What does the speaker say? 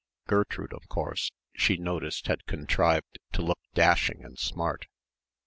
Gertrude, of course, she noticed had contrived to look dashing and smart.